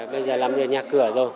bây giờ làm được nhà cửa rồi